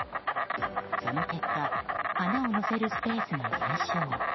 その結果花を載せるスペースが減少。